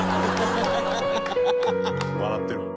「笑ってる」